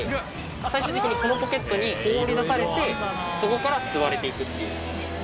最初にこのポケットに放り出されてそこから吸われて行くっていう。